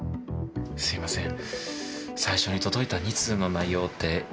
すいません。